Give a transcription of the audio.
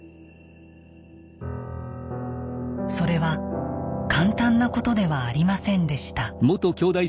それは簡単なことではありませんでした。